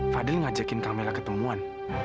fadil ngajakin kamilah ketemuan